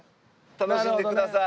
楽しんでください。